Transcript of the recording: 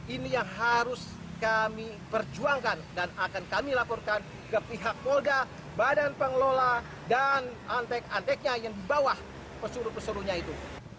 ini yang harus kami perjuangkan dan akan kami laporkan ke pihak polda badan pengelola dan antek anteknya yang di bawah pesuruh pesuruhnya itu